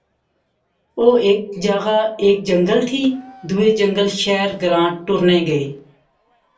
او ہیک جاغا ہیک جنگل تھی دوہے جنگل شہر گراں ٹرنے گئے